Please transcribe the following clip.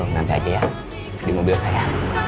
nanti aja ya di mobil saya